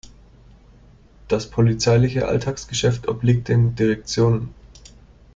Das polizeiliche Alltagsgeschäft obliegt den Direktionen.